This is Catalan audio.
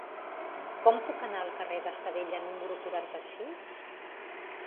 Com puc anar al carrer d'Estadella número quaranta-sis?